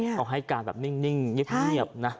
โอ้โหเอาให้การแบบนิ่งเงียบนะ